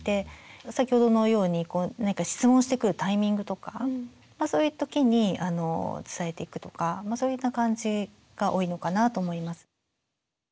先ほどのように質問してくるタイミングとかそういう時に伝えていくとかそういった感じが多いのかなと思います。